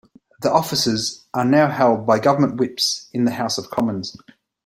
The offices are now held by Government whips in the House of Commons.